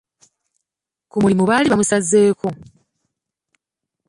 Ku mulimu baali bamusazeeko.